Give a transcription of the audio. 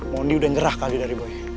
mondi udah nyerah kali dari boy